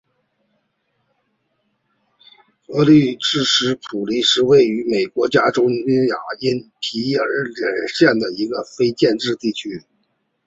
柯立芝斯普林斯是位于美国加利福尼亚州因皮里尔县的一个非建制地区。